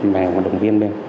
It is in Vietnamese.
mèo và động viên bên